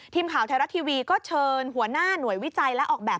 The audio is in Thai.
ทีมข่าวไทยรัฐทีวีก็เชิญหัวหน้าหน่วยวิจัยและออกแบบ